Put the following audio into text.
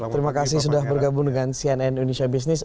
terima kasih sudah bergabung dengan cnn indonesia business